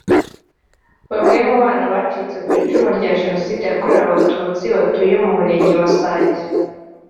Bamwe mu bana bacitse ku icumu rya Jenoside yakorewe Abatutsi batuye mu Murenge wa Sake